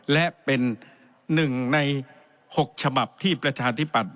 และเป็น๑ใน๖ฉบับที่ประชาธิปัตย